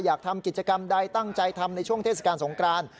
อยากทำกิจกรรมใดตั้งใจทำในช่วงเทศกาลสงคราน